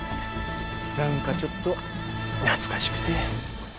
何かちょっと懐かしくて。